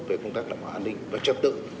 về công tác đảm bảo an ninh và trật tự